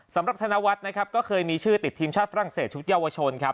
สำหรับธนวัฒน์นะครับก็เคยมีชื่อติดทีมชาติฝรั่งเศสชุดเยาวชนครับ